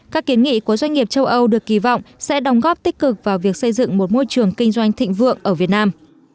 các kiến nghị của doanh nghiệp châu âu được kỳ vọng sẽ đồng góp tích cực vào việc xây dựng một môi trường kinh doanh thịnh vượng ở việt nam